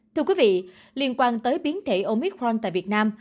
thưa quý vị liên quan tới biến thể omicron tại việt nam